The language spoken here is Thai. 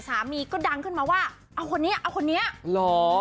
ก็ดังขึ้นมาว่าเอาคนนี้เอาคนนี้เหรอ